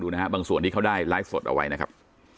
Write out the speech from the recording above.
นะฮะบางส่วนที่เขาได้ไลฟ์สดเอาไว้นะครับ